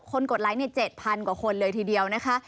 กดไลค์๗๐๐กว่าคนเลยทีเดียวนะคะ